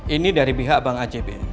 ini dari pihak bank ajb